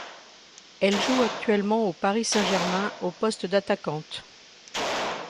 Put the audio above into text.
Elle joue actuellement au Paris Saint-Germain, au poste d'attaquante.